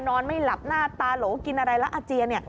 นอนไม่หลับหน้าตาโหลกินอะไรแล้วอาเจียนเนี่ย